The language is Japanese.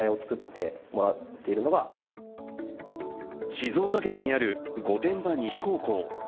静岡県にある御殿場西高校。